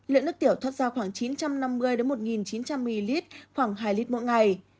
lượng nước tiểu thoát ra khoảng chín trăm năm mươi một nghìn chín trăm một mươi ml khoảng hai ml mỗi ngày